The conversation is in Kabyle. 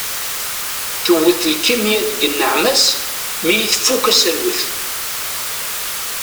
Tewwet lkimya deg nneɛma-s mi ifukk aserwet.